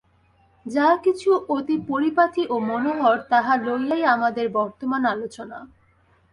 যাহা কিছু অতি পরিপাটি ও মনোহর, তাহা লইয়াই আমাদের বর্তমান আলোচনা।